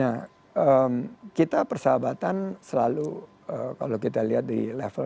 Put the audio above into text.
ya kita persahabatan selalu kalau kita lihat di level